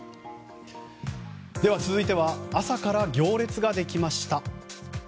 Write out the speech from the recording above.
続いては朝から行列ができました。